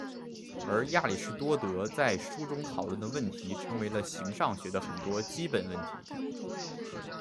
而亚里斯多德在书中讨论的问题成为了形上学的很多基本问题。